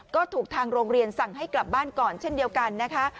ก็ถูกทางโรงเรียนสั่งให้กลับบ้านก่อนเช่นเดียวกันนะคะ